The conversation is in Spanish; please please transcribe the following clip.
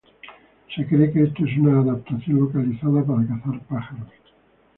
Se cree que esto es una adaptación localizada para cazar pájaros.